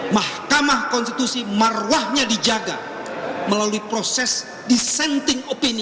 mahkamah konstitusi marwahnya dijaga melalui proses dissenting opini